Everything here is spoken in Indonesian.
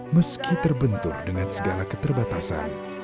meski terbentur dengan segala keterbatasan